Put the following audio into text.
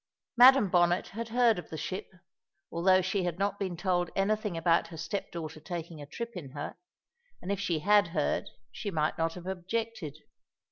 Madam Bonnet had heard of the ship, although she had not been told anything about her step daughter taking a trip in her, and if she had heard she might not have objected.